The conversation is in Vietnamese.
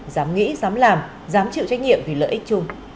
dám nghĩ dám làm dám chịu trách nhiệm vì lợi ích chung